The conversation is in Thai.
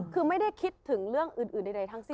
คือไม่ได้คิดถึงเรื่องอื่นใดทั้งสิ้น